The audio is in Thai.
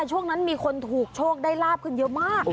ช่วงนั้นมีคนถูกโชคได้ลาบกันเยอะมาก